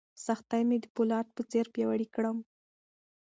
سختۍ مې د فولاد په څېر پیاوړی کړم.